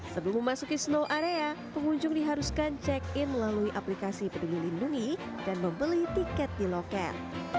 sebelum memasuki snow area pengunjung diharuskan check in melalui aplikasi peduli lindungi dan membeli tiket di loket